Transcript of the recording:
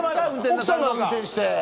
奥さんが運転して。